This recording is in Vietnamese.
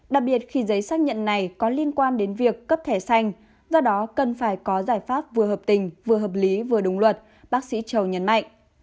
đặc biệt khi giấy xác nhận này có liên quan đến việc cấp thẻ xanh do đó cần phải có giải pháp vừa hợp tình vừa hợp lý vừa đúng luật bác sĩ châu nhấn mạnh